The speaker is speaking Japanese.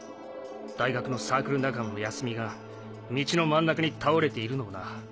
大学のサークル仲間の泰美が道の真ん中に倒れているのをな。